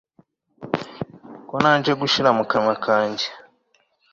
ko nanze gushyira mu kanwa kanjye